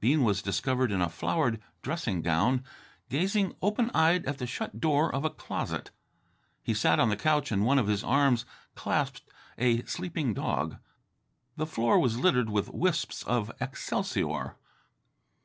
Bean was discovered in a flowered dressing gown gazing open eyed at the shut door of a closet. He sat on the couch and one of his arms clasped a sleeping dog. The floor was littered with wisps of excelsior.